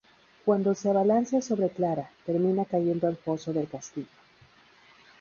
Cuando se abalanza sobre Clara, termina cayendo al foso del castillo.